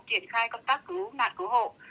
triển khai công tác cứu nạn cứu hộ